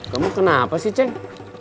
kamu kenapa sih ceng